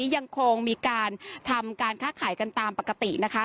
ยังคงมีการทำการค้าขายกันตามปกตินะคะ